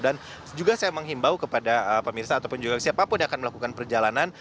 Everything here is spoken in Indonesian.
dan juga saya menghimbau kepada pemirsa ataupun juga siapapun yang akan melakukan perjalanan